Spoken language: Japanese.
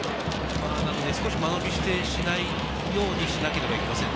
少し間延びしないようにしなければいけませんね。